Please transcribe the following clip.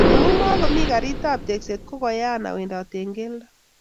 Amuu komokomii karit ab teksi, kokoyaa awendot ak keldo